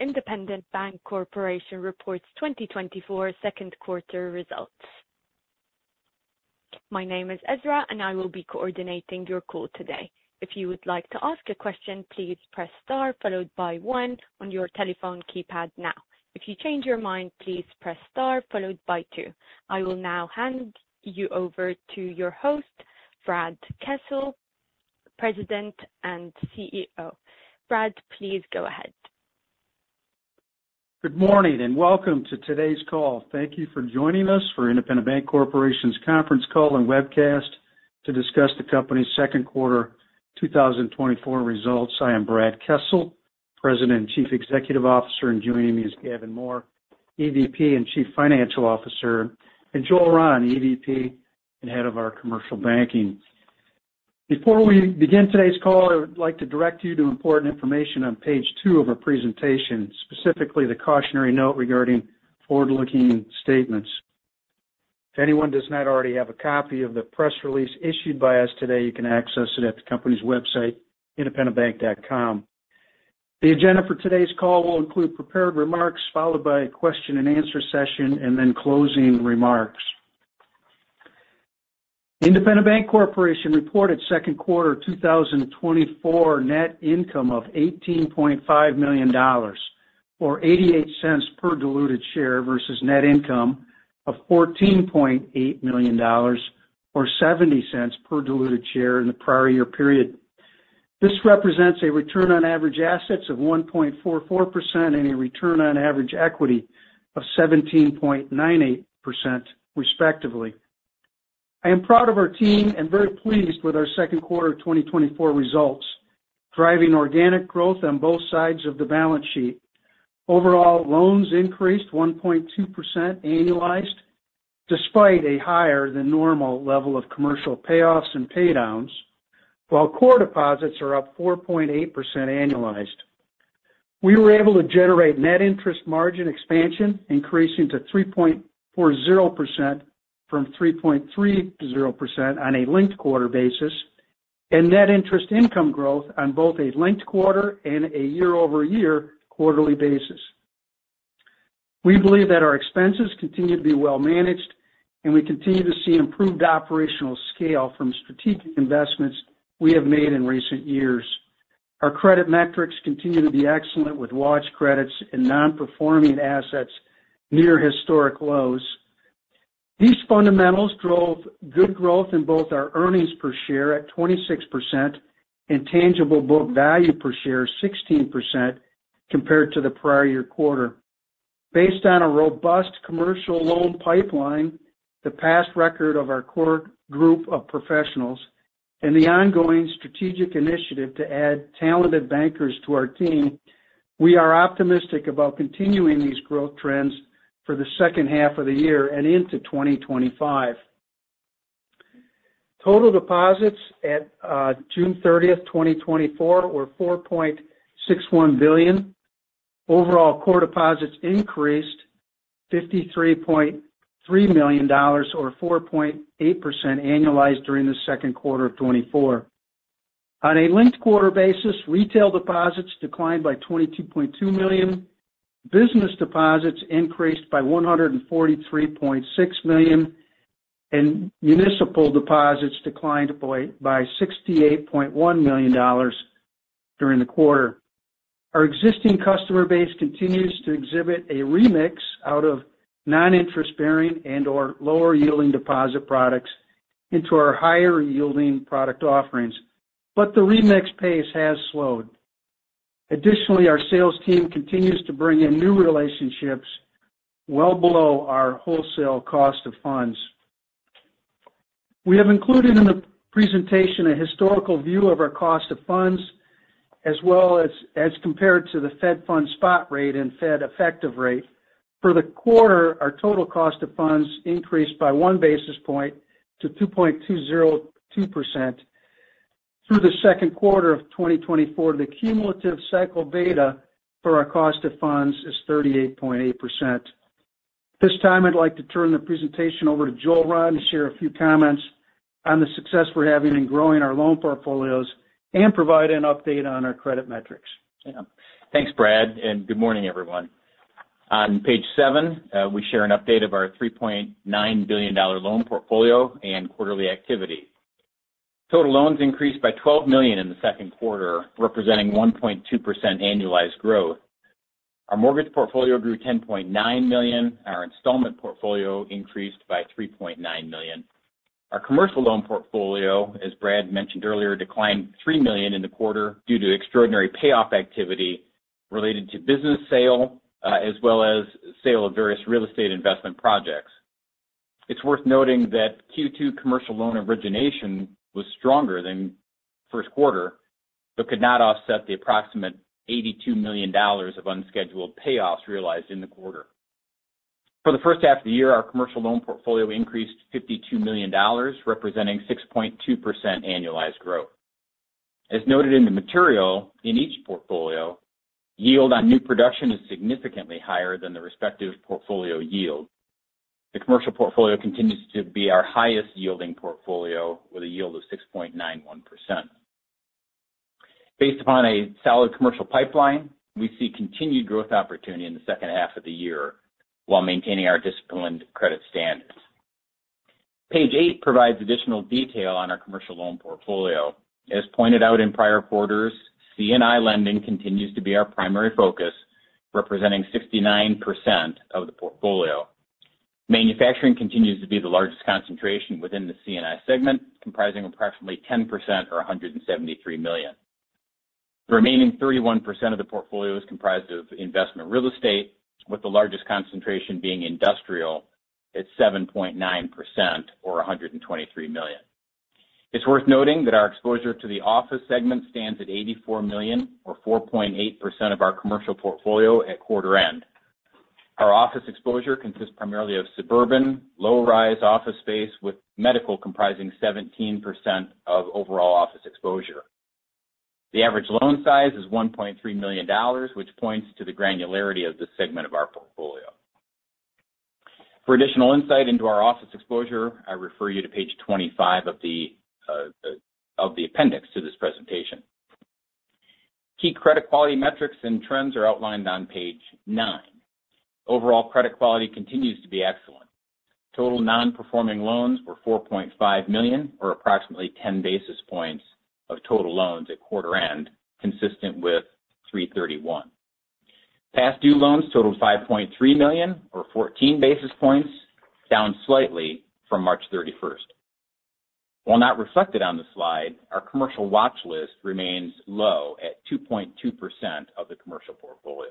Independent Bank Corporation reports 2024 second quarter results. My name is Ezra, and I will be coordinating your call today. If you would like to ask a question, please press star followed by one on your telephone keypad now. If you change your mind, please press star followed by two. I will now hand you over to your host, Brad Kessel, President and CEO. Brad, please go ahead. Good morning and welcome to today's call. Thank you for joining us for Independent Bank Corporation's conference call and webcast to discuss the company's second quarter 2024 results. I am Brad Kessel, President and Chief Executive Officer, and joining me is Gavin Mohr, EVP and Chief Financial Officer, and Joel Rahn, EVP and Head of our Commercial Banking. Before we begin today's call, I would like to direct you to important information on page two of our presentation, specifically the cautionary note regarding forward-looking statements. If anyone does not already have a copy of the press release issued by us today, you can access it at the company's website, independentbank.com. The agenda for today's call will include prepared remarks followed by a question and answer session and then closing remarks. Independent Bank Corporation reported second quarter 2024 net income of $18.5 million or $0.88 per diluted share versus net income of $14.8 million or $0.70 per diluted share in the prior year period. This represents a return on average assets of 1.44% and a return on average equity of 17.98%, respectively. I am proud of our team and very pleased with our second quarter 2024 results, driving organic growth on both sides of the balance sheet. Overall, loans increased 1.2% annualized despite a higher than normal level of commercial payoffs and paydowns, while core deposits are up 4.8% annualized. We were able to generate net interest margin expansion, increasing to 3.40% from 3.30% on a linked quarter basis and net interest income growth on both a linked quarter and a year-over-year quarterly basis. We believe that our expenses continue to be well managed, and we continue to see improved operational scale from strategic investments we have made in recent years. Our credit metrics continue to be excellent, with large credits and non-performing assets near historic lows. These fundamentals drove good growth in both our earnings per share at 26% and tangible book value per share 16% compared to the prior year quarter. Based on a robust commercial loan pipeline, the past record of our core group of professionals, and the ongoing strategic initiative to add talented bankers to our team, we are optimistic about continuing these growth trends for the second half of the year and into 2025. Total deposits at June 30th, 2024, were $4.61 billion. Overall, core deposits increased $53.3 million or 4.8% annualized during the second quarter of 2024. On a linked quarter basis, retail deposits declined by $22.2 million. Business deposits increased by $143.6 million, and municipal deposits declined by $68.1 million during the quarter. Our existing customer base continues to exhibit a remix out of non-interest-bearing and/or lower-yielding deposit products into our higher-yielding product offerings, but the remix pace has slowed. Additionally, our sales team continues to bring in new relationships well below our wholesale cost of funds. We have included in the presentation a historical view of our cost of funds as well as as compared to the Fed funds spot rate and Fed effective rate. For the quarter, our total cost of funds increased by one basis point to 2.202%. Through the second quarter of 2024, the cumulative cycle beta for our cost of funds is 38.8%. This time, I'd like to turn the presentation over to Joel Rahn to share a few comments on the success we're having in growing our loan portfolios and provide an update on our credit metrics. Yeah. Thanks, Brad, and good morning, everyone. On page seven, we share an update of our $3.9 billion loan portfolio and quarterly activity. Total loans increased by $12 million in the second quarter, representing 1.2% annualized growth. Our mortgage portfolio grew $10.9 million. Our installment portfolio increased by $3.9 million. Our commercial loan portfolio, as Brad mentioned earlier, declined $3 million in the quarter due to extraordinary payoff activity related to business sale as well as sale of various real estate investment projects. It's worth noting that Q2 commercial loan origination was stronger than first quarter but could not offset the approximate $82 million of unscheduled payoffs realized in the quarter. For the first half of the year, our commercial loan portfolio increased $52 million, representing 6.2% annualized growth. As noted in the material in each portfolio, yield on new production is significantly higher than the respective portfolio yield. The commercial portfolio continues to be our highest-yielding portfolio with a yield of 6.91%. Based upon a solid commercial pipeline, we see continued growth opportunity in the second half of the year while maintaining our disciplined credit standards. Page eight provides additional detail on our commercial loan portfolio. As pointed out in prior quarters, C&I lending continues to be our primary focus, representing 69% of the portfolio. Manufacturing continues to be the largest concentration within the C&I segment, comprising approximately 10% or $173 million. The remaining 31% of the portfolio is comprised of investment real estate, with the largest concentration being industrial at 7.9% or $123 million. It's worth noting that our exposure to the office segment stands at $84 million or 4.8% of our commercial portfolio at quarter end. Our office exposure consists primarily of suburban, low-rise office space with medical comprising 17% of overall office exposure. The average loan size is $1.3 million, which points to the granularity of the segment of our portfolio. For additional insight into our office exposure, I refer you to page 25 of the appendix to this presentation. Key credit quality metrics and trends are outlined on page nine. Overall credit quality continues to be excellent. Total non-performing loans were $4.5 million or approximately 10 basis points of total loans at quarter end, consistent with March 31st. Past due loans totaled $5.3 million or 14 basis points, down slightly from March 31st. While not reflected on the slide, our commercial watch list remains low at 2.2% of the commercial portfolio.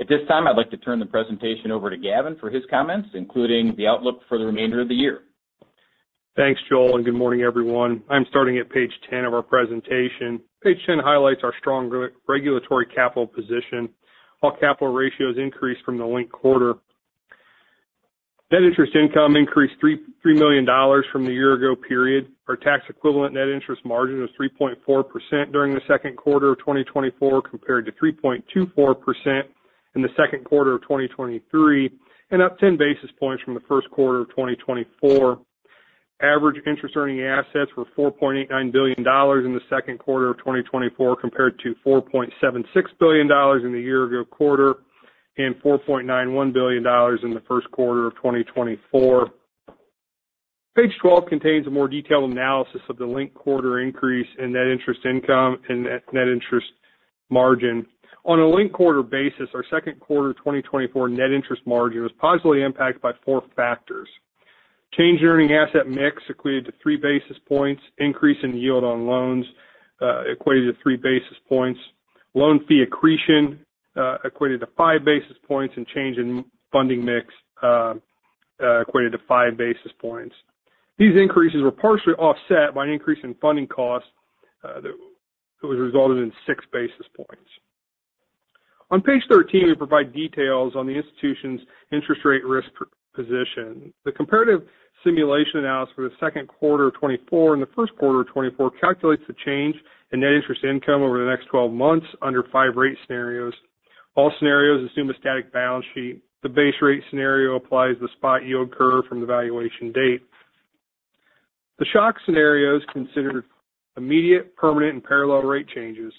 At this time, I'd like to turn the presentation over to Gavin for his comments, including the outlook for the remainder of the year. Thanks, Joel, and good morning, everyone. I'm starting at page 10 of our presentation. Page 10 highlights our strong regulatory capital position. All capital ratios increased from the linked quarter. Net interest income increased $3 million from the year-ago period. Our tax-equivalent net interest margin was 3.4% during the second quarter of 2024 compared to 3.24% in the second quarter of 2023 and up 10 basis points from the first quarter of 2024. Average interest-earning assets were $4.89 billion in the second quarter of 2024 compared to $4.76 billion in the year-ago quarter and $4.91 billion in the first quarter of 2024. Page 12 contains a more detailed analysis of the linked quarter increase in net interest income and net interest margin. On a linked quarter basis, our second quarter 2024 net interest margin was positively impacted by four factors. Change in earning asset mix equated to 3 basis points, increase in yield on loans equated to 3 basis points, loan fee accretion equated to 5 basis points, and change in funding mix equated to 5 basis points. These increases were partially offset by an increase in funding cost that was resulted in 6 basis points. On page 13, we provide details on the institution's interest rate risk position. The comparative simulation analysis for the second quarter of 2024 and the first quarter of 2024 calculates the change in net interest income over the next 12 months under five rate scenarios. All scenarios assume a static balance sheet. The base rate scenario applies the spot yield curve from the valuation date. The shock scenarios consider immediate, permanent, and parallel rate changes.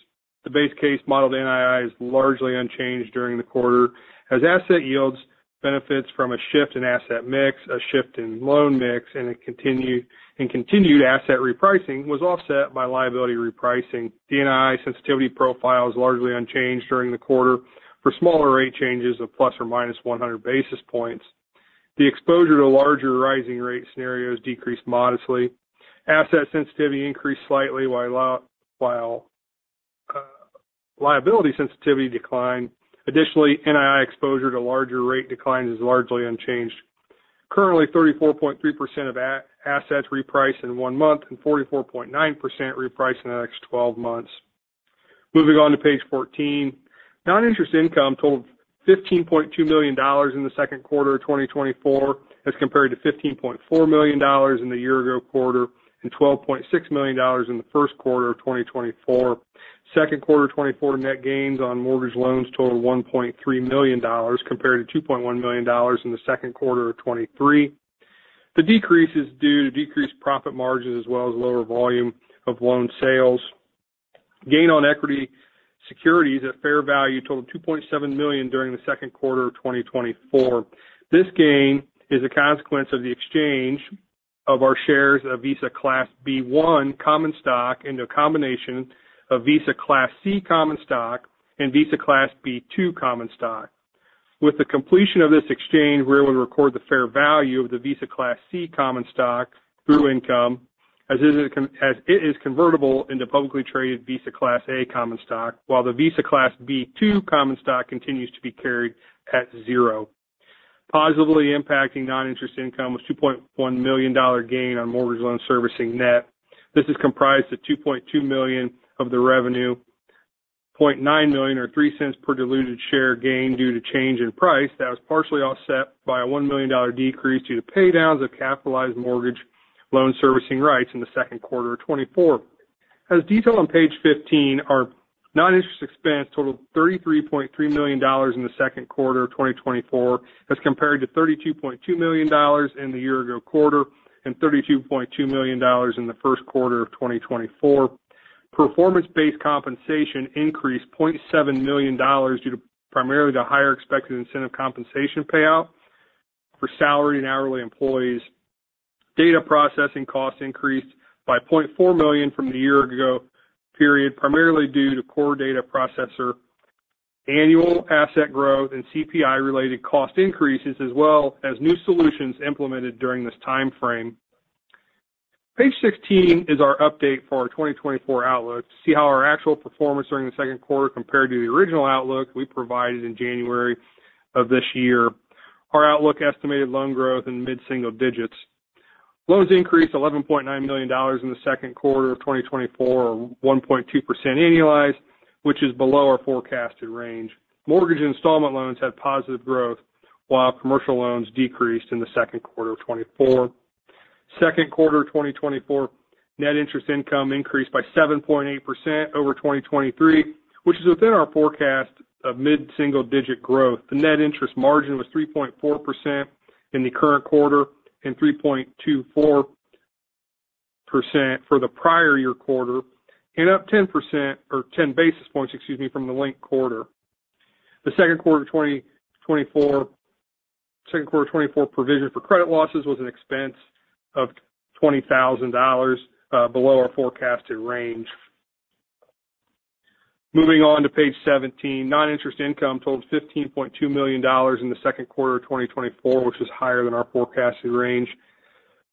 The base case modeled NII is largely unchanged during the quarter, as asset yields benefits from a shift in asset mix, a shift in loan mix, and continued asset repricing was offset by liability repricing. The NII sensitivity profile is largely unchanged during the quarter for smaller rate changes of plus or minus 100 basis points. The exposure to larger rising rate scenarios decreased modestly. Asset sensitivity increased slightly while liability sensitivity declined. Additionally, NII exposure to larger rate declines is largely unchanged. Currently, 34.3% of assets repriced in one month and 44.9% repriced in the next 12 months. Moving on to page 14, non-interest income totaled $15.2 million in the second quarter of 2024 as compared to $15.4 million in the year-ago quarter and $12.6 million in the first quarter of 2024. Second quarter 2024 net gains on mortgage loans totaled $1.3 million compared to $2.1 million in the second quarter of 2023. The decrease is due to decreased profit margins as well as lower volume of loan sales. Gain on equity securities at fair value totaled $2.7 million during the second quarter of 2024. This gain is a consequence of the exchange of our shares of Visa Class B-1 Common Stock into a combination of Visa Class C Common Stock and Visa Class B-2 Common Stock. With the completion of this exchange, we're able to record the fair value of the Visa Class C Common Stock through income as it is convertible into publicly traded Visa Class A Common Stock, while the Visa Class B-2 Common Stock continues to be carried at zero. Positively impacting non-interest income was $2.1 million gain on mortgage loan servicing net. This is comprised of $2.2 million of the revenue, $0.9 million or $0.03 per diluted share gain due to change in price that was partially offset by a $1 million decrease due to paydowns of capitalized mortgage loan servicing rights in the second quarter of 2024. As detailed on page 15, our non-interest expense totaled $33.3 million in the second quarter of 2024 as compared to $32.2 million in the year-ago quarter and $32.2 million in the first quarter of 2024. Performance-based compensation increased $0.7 million due to primarily the higher expected incentive compensation payout for salaried and hourly employees. Data processing costs increased by $0.4 million from the year-ago period, primarily due to core data processor annual asset growth and CPI-related cost increases as well as new solutions implemented during this timeframe. Page 16 is our update for our 2024 outlook. To see how our actual performance during the second quarter compared to the original outlook we provided in January of this year, our outlook estimated loan growth in mid-single digits. Loans increased $11.9 million in the second quarter of 2024 or 1.2% annualized, which is below our forecasted range. Mortgage installment loans had positive growth while commercial loans decreased in the second quarter of 2024. Second quarter of 2024, net interest income increased by 7.8% over 2023, which is within our forecast of mid-single digit growth. The net interest margin was 3.4% in the current quarter and 3.24% for the prior year quarter and up 10 basis points from the linked quarter. The second quarter of 2024, second quarter 2024 provision for credit losses was an expense of $20,000 below our forecasted range. Moving on to page 17, non-interest income totaled $15.2 million in the second quarter of 2024, which was higher than our forecasted range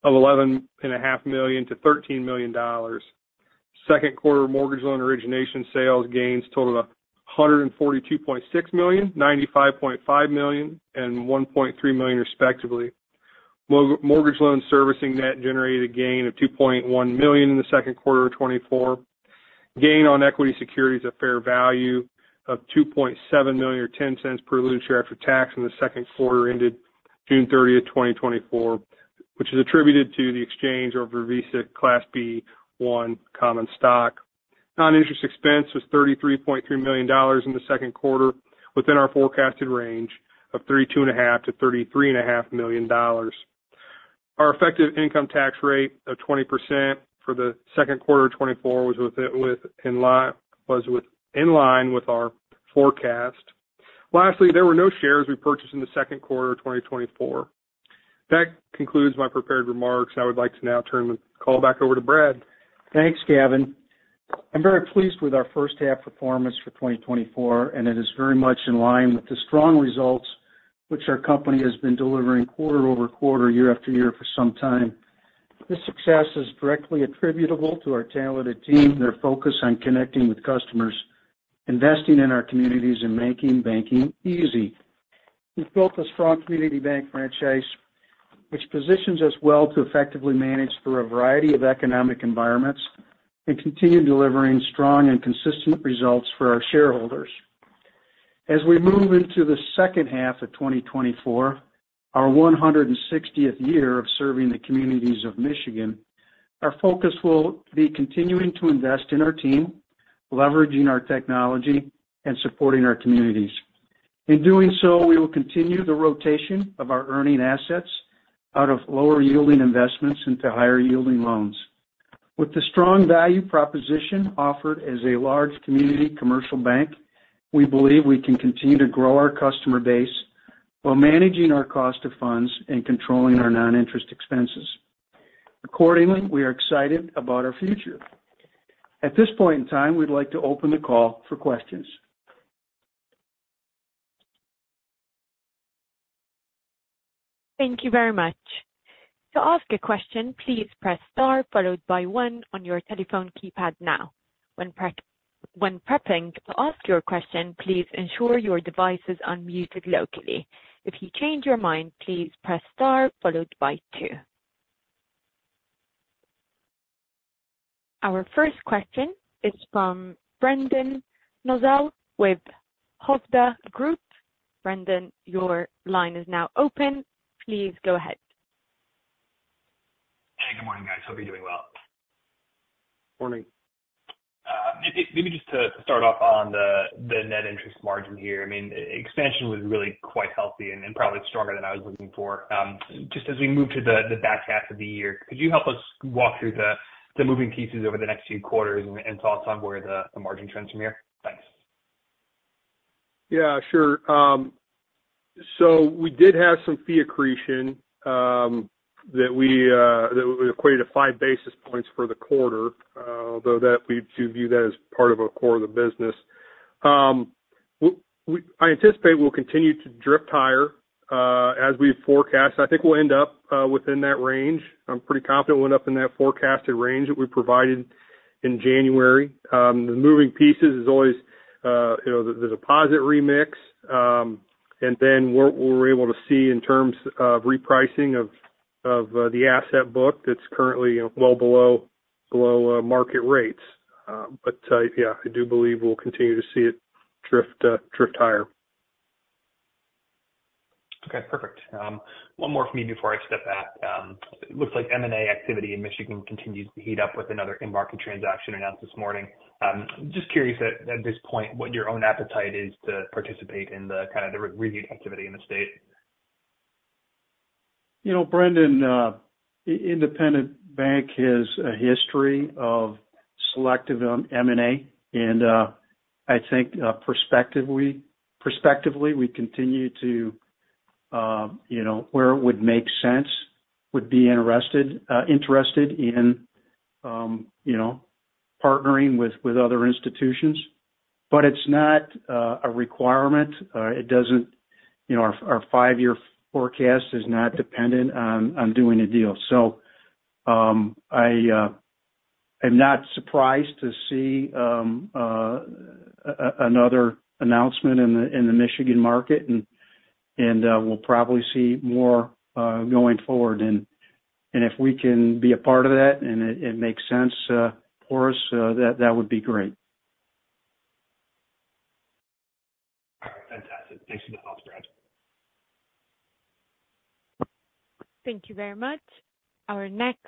of $11.5 million-$13 million. Second quarter mortgage loan origination sales gains totaled $142.6 million, $95.5 million, and $1.3 million respectively. Mortgage loan servicing net generated a gain of $2.1 million in the second quarter of 2024. Gain on equity securities at fair value of $2.7 million or $0.10 per diluted share after tax in the second quarter ended June 30th, 2024, which is attributed to the exchange over Visa Class B-1 common stock. Non-interest expense was $33.3 million in the second quarter within our forecasted range of $32.5 million-$33.5 million. Our effective income tax rate of 20% for the second quarter of 2024 was in line with our forecast. Lastly, there were no shares we purchased in the second quarter of 2024. That concludes my prepared remarks. I would like to now turn the call back over to Brad. Thanks, Gavin. I'm very pleased with our first-half performance for 2024, and it is very much in line with the strong results which our company has been delivering quarter-over-quarter, year-after-year for some time. This success is directly attributable to our talented team, their focus on connecting with customers, investing in our communities, and making banking easy. We've built a strong community bank franchise which positions us well to effectively manage through a variety of economic environments and continue delivering strong and consistent results for our shareholders. As we move into the second half of 2024, our 160th year of serving the communities of Michigan, our focus will be continuing to invest in our team, leveraging our technology, and supporting our communities. In doing so, we will continue the rotation of our earning assets out of lower-yielding investments into higher-yielding loans. With the strong value proposition offered as a large community commercial bank, we believe we can continue to grow our customer base while managing our cost of funds and controlling our non-interest expenses. Accordingly, we are excited about our future. At this point in time, we'd like to open the call for questions. Thank you very much. To ask a question, please press star followed by one on your telephone keypad now. When prepping to ask your question, please ensure your device is unmuted locally. If you change your mind, please press star followed by two. Our first question is from Brendan Nosal with Hovde Group. Brendan, your line is now open. Please go ahead. Hey, good morning, guys. Hope you're doing well. Morning. Maybe just to start off on the net interest margin here. I mean, expansion was really quite healthy and probably stronger than I was looking for. Just as we move to the back half of the year, could you help us walk through the moving pieces over the next few quarters and tell us on where the margin trends from here? Thanks. Yeah, sure. So we did have some fee accretion that we equated to 5 basis points for the quarter, although that we do view that as part of a core of the business. I anticipate we'll continue to drift higher as we forecast. I think we'll end up within that range. I'm pretty confident we'll end up in that forecasted range that we provided in January. The moving pieces is always there's a posit remix, and then we're able to see in terms of repricing of the asset book that's currently well below market rates. But yeah, I do believe we'll continue to see it drift higher. Okay, perfect. One more from me before I step back. It looks like M&A activity in Michigan continues to heat up with another in-market transaction announced this morning. Just curious at this point what your own appetite is to participate in the kind of the M&A activity in the state. You know, Brendan, Independent Bank has a history of selective M&A, and I think prospectively we continue to where it would make sense would be interested in partnering with other institutions. But it's not a requirement. It doesn't our five-year forecast is not dependent on doing a deal. So I'm not surprised to see another announcement in the Michigan market, and we'll probably see more going forward. And if we can be a part of that and it makes sense for us, that would be great. All right, fantastic. Thanks for the thoughts, Brad. Thank you very much. Our next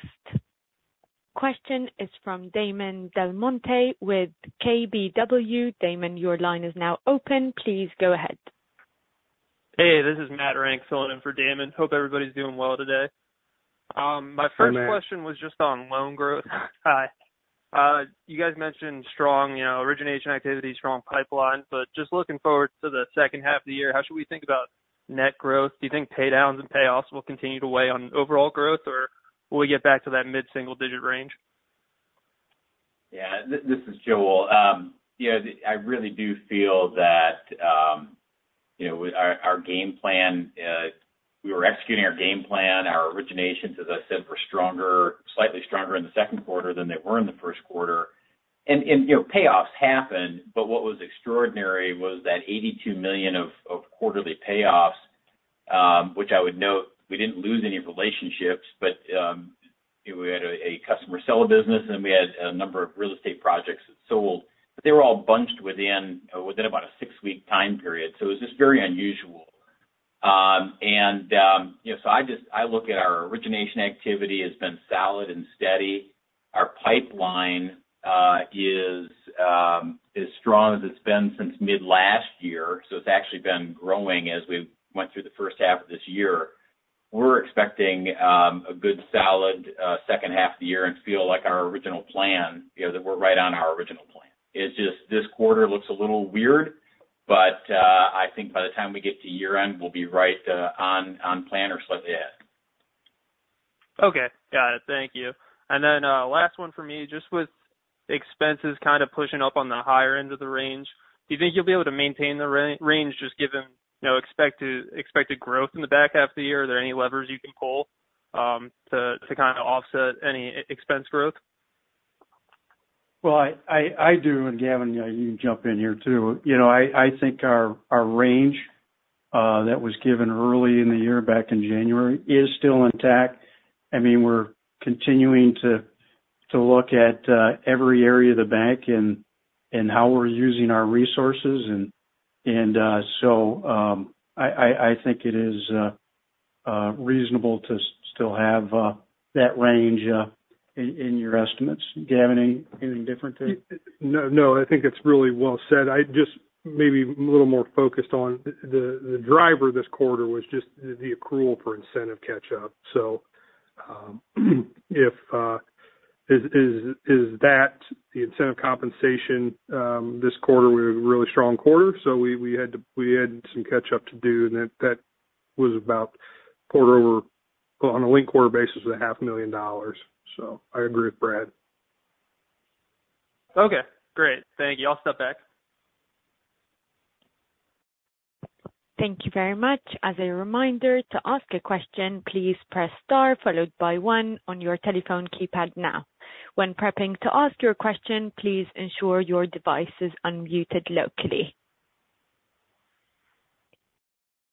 question is from Damon Del Monte with KBW. Damon, your line is now open. Please go ahead. Hey, this is Matt Renck, filling in for Damon. Hope everybody's doing well today. My first question was just on loan growth. You guys mentioned strong origination activity, strong pipeline, but just looking forward to the second half of the year, how should we think about net growth? Do you think paydowns and payoffs will continue to weigh on overall growth, or will we get back to that mid-single digit range? Yeah, this is Joel. I really do feel that our game plan, we were executing our game plan. Our originations, as I said, were slightly stronger in the second quarter than they were in the first quarter. Payoffs happened, but what was extraordinary was that $82 million of quarterly payoffs, which I would note we didn't lose any relationships, but we had a customer seller business and we had a number of real estate projects that sold, but they were all bunched within about a six-week time period. So it was just very unusual. I look at our origination activity has been solid and steady. Our pipeline is as strong as it's been since mid-last year, so it's actually been growing as we went through the first half of this year. We're expecting a good solid second half of the year and feel like our original plan, that we're right on our original plan. It's just this quarter looks a little weird, but I think by the time we get to year-end, we'll be right on plan or slightly ahead. Okay, got it. Thank you. And then last one for me, just with expenses kind of pushing up on the higher end of the range, do you think you'll be able to maintain the range just given expected growth in the back half of the year? Are there any levers you can pull to kind of offset any expense growth? Well, I do, and Gavin, you can jump in here too. I think our range that was given early in the year back in January is still intact. I mean, we're continuing to look at every area of the bank and how we're using our resources. And so I think it is reasonable to still have that range in your estimates. Gavin, anything different too? No, I think it's really well said. I just maybe a little more focused on the driver this quarter was just the accrual for incentive catch-up. So is that the incentive compensation this quarter? We had a really strong quarter, so we had some catch-up to do, and that was about quarter over on a linked quarter basis was $500,000. So I agree with Brad. Okay, great. Thank you. I'll step back. Thank you very much. As a reminder, to ask a question, please press star followed by one on your telephone keypad now. When prepping to ask your question, please ensure your device is unmuted locally.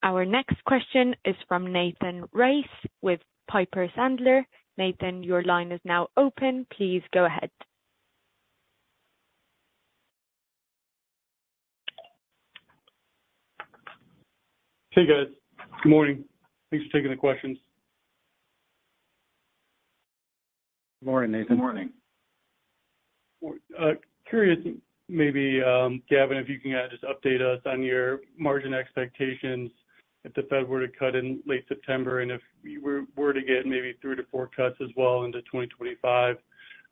Our next question is from Nathan Race with Piper Sandler. Nathan, your line is now open. Please go ahead. Hey, guys. Good morning. Thanks for taking the questions. Good morning, Nathan. Good morning. Curious, maybe, Gavin, if you can just update us on your margin expectations if the Fed were to cut in late September and if we were to get maybe 3-4 cuts as well into 2025.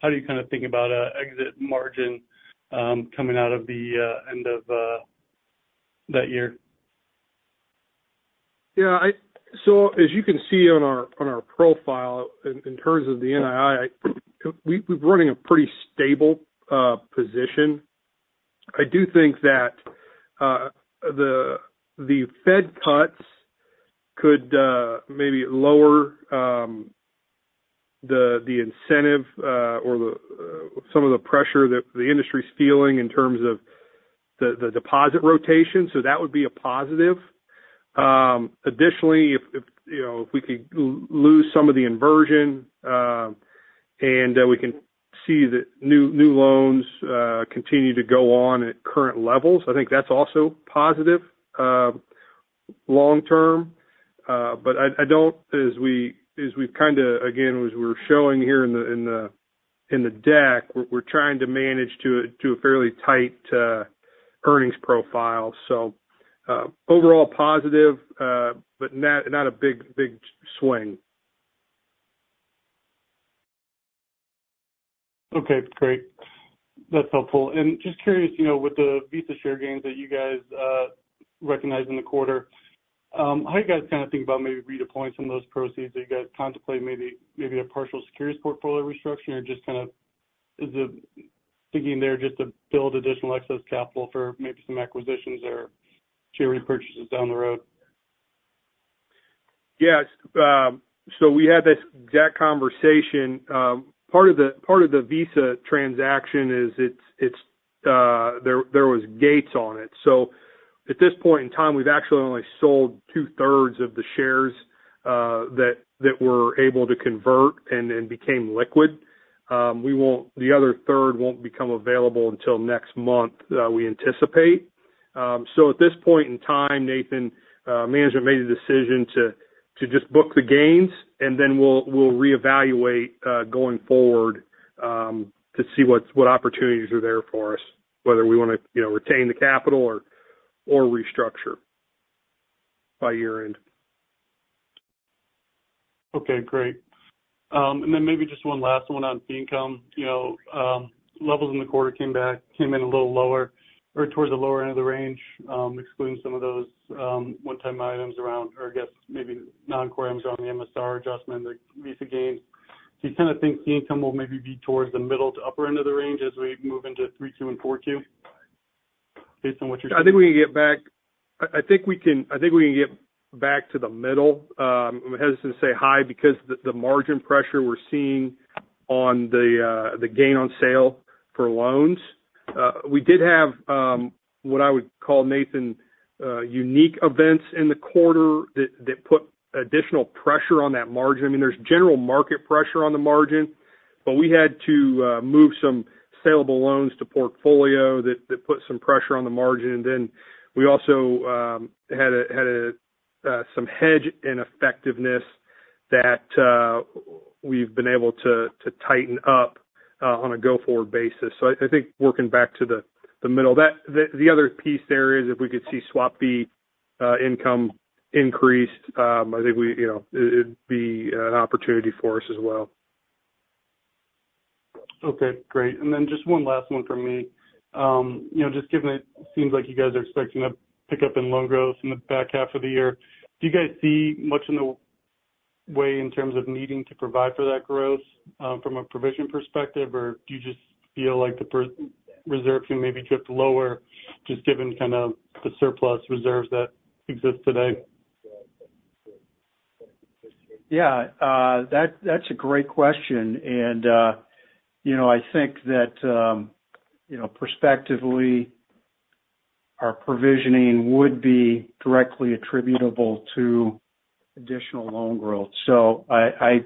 How do you kind of think about an exit margin coming out of the end of that year? Yeah, so as you can see on our profile, in terms of the NII, we're running a pretty stable position. I do think that the Fed cuts could maybe lower the incentive or some of the pressure that the industry's feeling in terms of the deposit rotation. So that would be a positive. Additionally, if we could lose some of the inversion and we can see that new loans continue to go on at current levels, I think that's also positive long term. But I don't, as we've kind of, again, as we're showing here in the deck, we're trying to manage to a fairly tight earnings profile. So overall positive, but not a big swing. Okay, great. That's helpful. And just curious, with the Visa share gains that you guys recognized in the quarter, how do you guys kind of think about maybe redeploying some of those proceeds? Are you guys contemplating maybe a partial securities portfolio restructuring or just kind of thinking there just to build additional excess capital for maybe some acquisitions or share repurchases down the road? Yeah, so we had that conversation. Part of the Visa transaction is there was gates on it. So at this point in time, we've actually only sold two-thirds of the shares that we're able to convert and became liquid. The other third won't become available until next month, we anticipate. So at this point in time, Nathan, management made a decision to just book the gains, and then we'll reevaluate going forward to see what opportunities are there for us, whether we want to retain the capital or restructure by year-end. Okay, great. And then maybe just one last one on fee income. Levels in the quarter came in a little lower or towards the lower end of the range, excluding some of those one-time items around, or I guess maybe non-core items around the MSR adjustment, the Visa gains. Do you kind of think fee income will maybe be towards the middle to upper end of the range as we move into 3Q and 4Q based on what you're seeing? I think we can get back to the middle. I'm hesitant to say high because the margin pressure we're seeing on the gain on sale for loans. We did have what I would call, Nathan, unique events in the quarter that put additional pressure on that margin. I mean, there's general market pressure on the margin, but we had to move some saleable loans to portfolio that put some pressure on the margin. And then we also had some hedge and effectiveness that we've been able to tighten up on a go-forward basis. So I think working back to the middle. The other piece there is if we could see swap fee income increased, I think it'd be an opportunity for us as well. Okay, great. And then just one last one from me. Just given it seems like you guys are expecting a pickup in loan growth in the back half of the year, do you guys see much in the way in terms of needing to provide for that growth from a provision perspective, or do you just feel like the reserves can maybe drift lower just given kind of the surplus reserves that exist today? Yeah, that's a great question. I think that prospectively, our provisioning would be directly attributable to additional loan growth. So I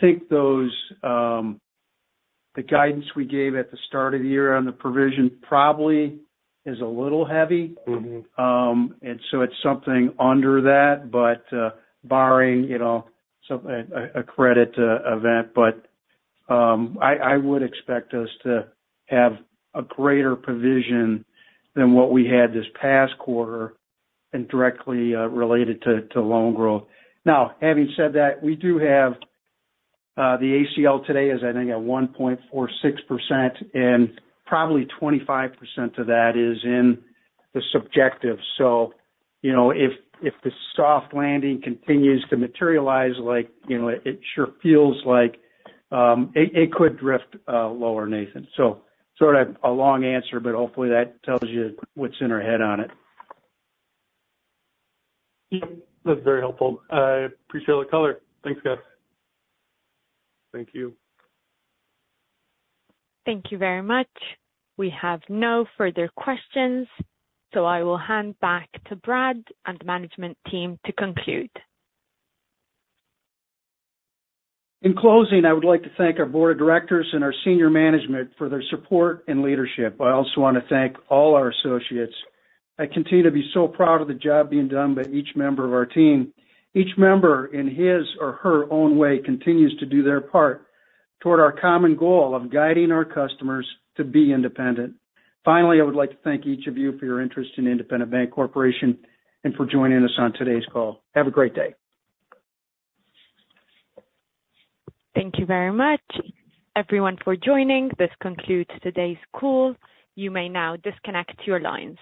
think the guidance we gave at the start of the year on the provision probably is a little heavy. It's something under that, but barring a credit event. I would expect us to have a greater provision than what we had this past quarter and directly related to loan growth. Now, having said that, we do have the ACL today, I think, at 1.46%, and probably 25% of that is in the subjective. So if the soft landing continues to materialize, it sure feels like it could drift lower, Nathan. So sort of a long answer, but hopefully that tells you what's in our head on it. That's very helpful. I appreciate all the color. Thanks, guys. Thank you. Thank you very much. We have no further questions, so I will hand back to Brad and the management team to conclude. In closing, I would like to thank our board of directors and our senior management for their support and leadership. I also want to thank all our associates. I continue to be so proud of the job being done by each member of our team. Each member, in his or her own way, continues to do their part toward our common goal of guiding our customers to be independent. Finally, I would like to thank each of you for your interest in Independent Bank Corporation and for joining us on today's call. Have a great day. Thank you very much, everyone, for joining. This concludes today's call. You may now disconnect your lines.